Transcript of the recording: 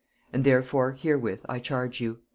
And therefore herewith I charge you."